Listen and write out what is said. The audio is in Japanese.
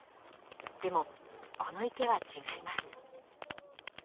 でもこの池は違います。